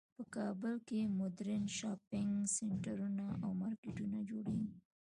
په کابل کې مدرن شاپینګ سینټرونه او مارکیټونه جوړیږی